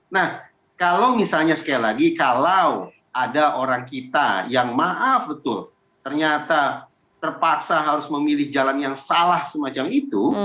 nah kalau misalnya sekali lagi kalau ada orang kita yang maaf betul ternyata terpaksa harus memilih jalan yang salah semacam itu